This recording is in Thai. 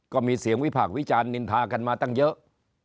ก็มีเสียงวิพากษ์วิจารณนินทากันมาตั้งเยอะ